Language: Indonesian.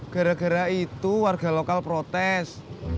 gara gara itu warga lokal protes